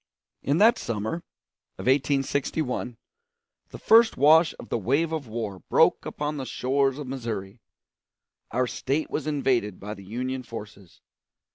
In that summer of 1861 the first wash of the wave of war broke upon the shores of Missouri. Our State was invaded by the Union forces.